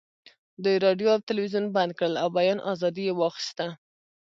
دوی راډیو او تلویزیون بند کړل او بیان ازادي یې واخیسته